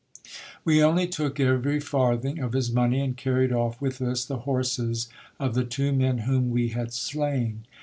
We only took every farthing of his money, and carried off with us the horses of the two men whom we had slain.